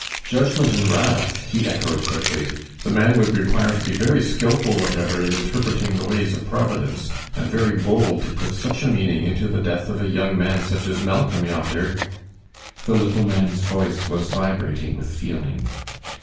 "Judgment and wrath," he echoed, quickly. "The man would require to be very skillful whatever in interpreting the ways of Providence, and very bold to put such a meaning into the death of a young man such as Malcolm yonder." The little man's voice was vibrating with feeling.